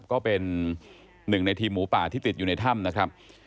ก็เป็นหนึ่งในทีมหมูป่าที่ติดอยู่ในถ้ำนะครับ